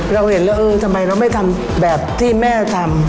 เราเห็นแล้วเออทำไมเราไม่ทำแบบที่แม่ทำ